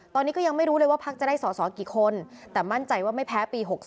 ตอนนี้ก็ยังไม่รู้เลยว่าพักจะได้สอสอกี่คนแต่มั่นใจว่าไม่แพ้ปี๖๒